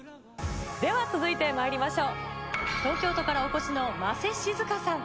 では続いてまいりましょう。